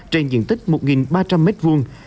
trên diện tích một ba trăm linh mét vuông